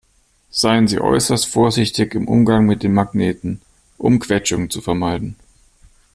Seien Sie äußerst vorsichtig im Umgang mit den Magneten, um Quetschungen zu vermeiden.